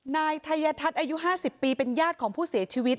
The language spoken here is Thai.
นายทัยทัศน์อายุ๕๐ปีเป็นญาติของผู้เสียชีวิต